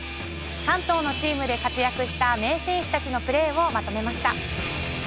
関東のチームで活躍した名選手たちのプレーをまとめました。